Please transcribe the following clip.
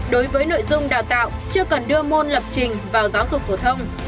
đối với nội dung đào tạo chưa cần đưa môn lập trình vào giáo dục phổ thông